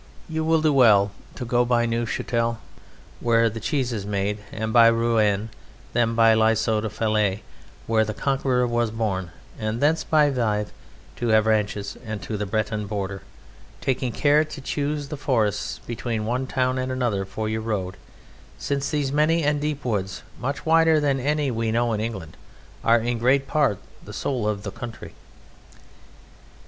You will do well to go by Neufchâtel, where the cheese is made, and by Rouen, then by Lisieux to Falaise, where the Conqueror was born, and thence by Vive to Avranches and so to the Breton border, taking care to choose the forests between one town and another for your road, since these many and deep woods much wider than any we know in England are in great part the soul of the country.